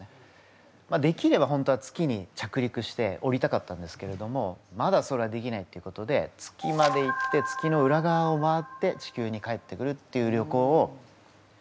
できればホントは月に着陸しておりたかったんですけれどもまだそれはできないっていうことで月まで行って月の裏側を回って地球に帰ってくるっていう旅行を来年ぐらいに実は予定してます。